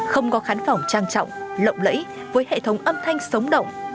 không có khán phòng trang trọng lộng lẫy với hệ thống âm thanh sống động